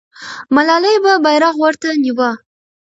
ملالۍ به بیرغ ورته نیوه.